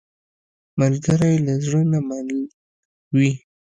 ملګری له زړه نه مل وي